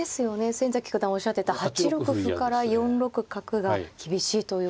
先崎九段おっしゃってた８六歩から４六角が厳しいということで。